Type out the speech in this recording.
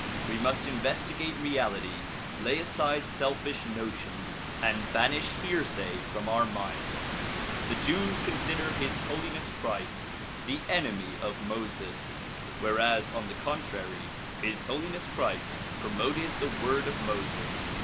We must investigate reality, lay aside selfish notions and banish hearsay from our minds. The Jews consider His Holiness Christ the enemy of Moses whereas on the contrary His Holiness Christ promoted the "Word of Moses.